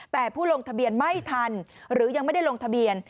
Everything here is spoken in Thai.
แต่ผู้ลงทะเบียนไม่ทันหรือยังไม่ได้ลงทะเบียน